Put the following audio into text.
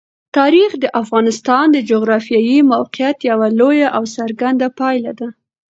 تاریخ د افغانستان د جغرافیایي موقیعت یوه لویه او څرګنده پایله ده.